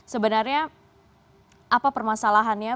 sebenarnya apa permasalahannya